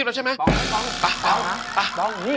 เราชนะได้หรอพี่